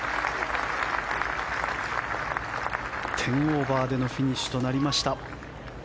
１０オーバーでのフィニッシュとなりました。